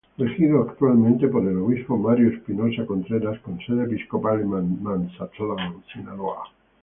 Regido actualmente por el obispo Mario Espinosa Contreras, con sede episcopal en Mazatlán, Sinaloa.